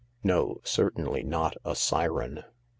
No— certainly not a siren.